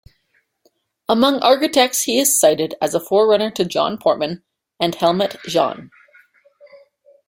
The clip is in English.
Among architects he is cited as a forerunner to John Portman and Helmut Jahn.